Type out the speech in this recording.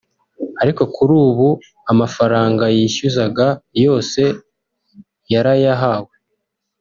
Ariko kuri ubu amafaranga yishyuzaga yose yarayahawe